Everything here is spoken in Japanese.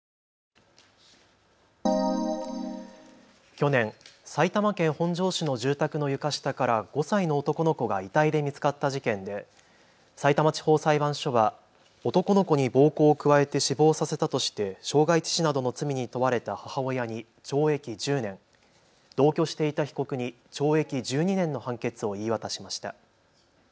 去年、埼玉県本庄市の住宅の床下から５歳の男の子が遺体で見つかった事件でさいたま地方裁判所は男の子に暴行を加えて死亡させたとして傷害致死などの罪に問われた母親に懲役１０年、同居していた被告に懲役１２年の判決を言い渡しました。